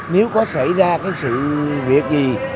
nếu có xảy ra cái sự việc gì